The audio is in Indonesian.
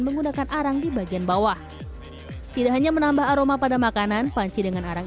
menggunakan arang di bagian bawah tidak hanya menambah aroma pada makanan panci dengan arang